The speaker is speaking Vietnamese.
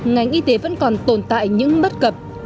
ngành y tế vẫn còn tồn tại những bất cập